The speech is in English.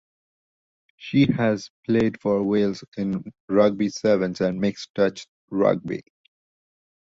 She has played for Wales in rugby sevens and mixed touch rugby.